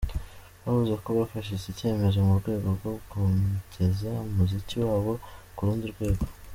Bavuze ko bafashe iki cyemezo mu rwego rwo kugeza umuziki wabo ku rundi rwego.